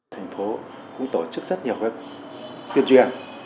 thành phố cũng tổ chức rất nhiều tuyên truyền